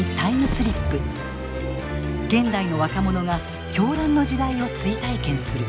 現代の若者が狂乱の時代を追体験する。